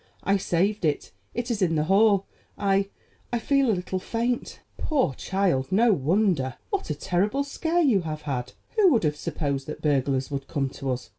I saved it; it is in the hall. I—I feel a little faint." "Poor child, no wonder! What a terrible scare you have had! Who would have supposed that burglars would come to us?